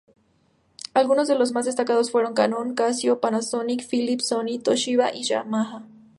Algunos de los más destacados fueron Canon, Casio, Panasonic, Philips, Sony, Toshiba y Yamaha.